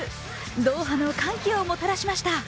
ドーハの歓喜をもたらしました。